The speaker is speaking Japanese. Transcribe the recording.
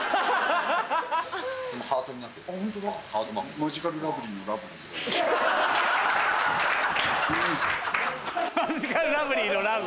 マヂカルラブリーのラブ。